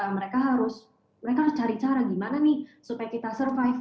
mereka harus cari cara gimana nih supaya kita survive